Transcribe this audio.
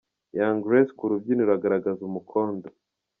Young Grace ku rubyiniro agaragaza umukondo.